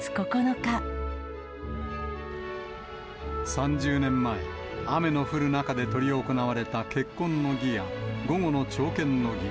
３０年前、雨の降る中で執り行われた結婚の儀や午後の朝見の儀。